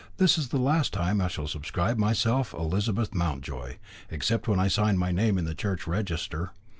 "This is the last time I shall subscribe myself Elizabeth Mountjoy, except when I sign my name in the church register.